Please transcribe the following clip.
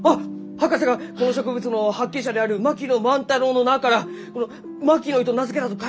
博士がこの植物の発見者である槙野万太郎の名からこの「マキノイ」と名付けたと書いちゅうき。